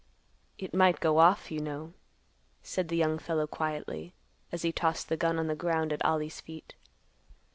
"It might go off, you know," said the young fellow quietly, as he tossed the gun on the ground at Ollie's feet.